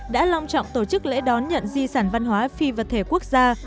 đã long trọng tổ chức lễ đón nhận di sản văn hóa phi vật thể quốc gia